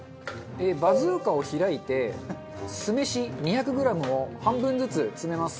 バズーカを開いて酢飯２００グラムを半分ずつ詰めます。